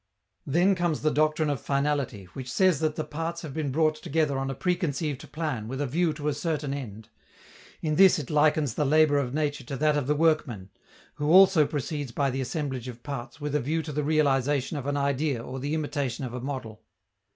Then comes the doctrine of finality, which says that the parts have been brought together on a preconceived plan with a view to a certain end. In this it likens the labor of nature to that of the workman, who also proceeds by the assemblage of parts with a view to the realization of an idea or the imitation of a model.